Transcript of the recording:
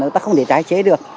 chúng ta không thể tái chế được